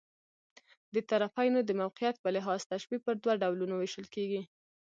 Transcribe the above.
د طرفَینو د موقعیت په لحاظ، تشبیه پر دوه ډولونو وېشل کېږي.